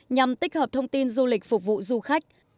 nhằm tích hợp thông tin du lịch phục vụ du khách